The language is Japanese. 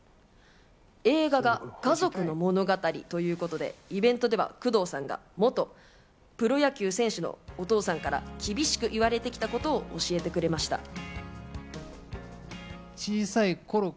映画は家族の物語ということでイベントでは工藤さんが元プロ野球選手のお父さんから厳しく言われてきたことを教えてくれました。